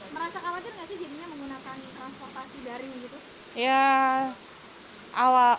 merasa khawatir gak sih jadinya menggunakan transportasi dari gitu